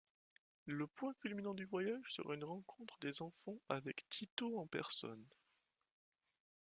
Le point culminant du voyage sera une rencontre des enfants avec Tito en personne...